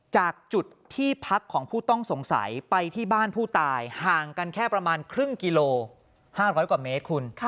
จากจุดที่พักของผู้ต้องสงสัยไปที่บ้านผู้ตายห่างกันแค่ประมาณครึ่งกิโล๕๐๐กว่าเมตรคุณ